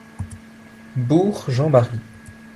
Bourre Jean-Marie.